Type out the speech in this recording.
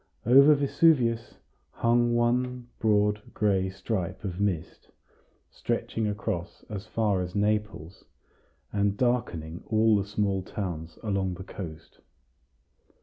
Over Vesuvius hung one broad gray stripe of mist, stretching across as far as Naples, and darkening all the small towns along the coast.